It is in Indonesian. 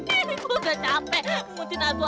gue nggak capek mungutin atu atu